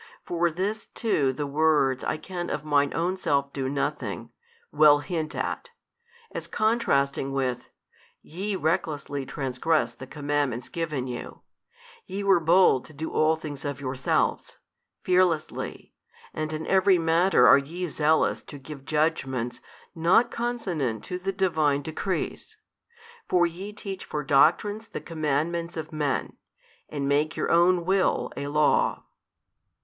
For this too the words I can of Mine own self do nothing, well hint at, as contrasting with, YE recklessly transgress the commandments given you, ye were bold to do all things of yourselves, fearlessly, and in every matter are ye zealous to give judgments not consonant to the Divine decrees. For ye teach for doctrines the commandments of men, and make your own will a law.